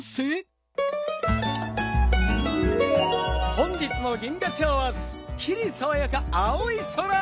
本日も銀河町はすっきりさわやか青い空！